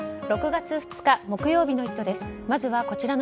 ６月２日木曜日の「イット！」です。